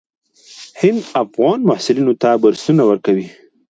هند افغان محصلینو ته بورسونه ورکوي.